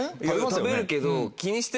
食べるけど。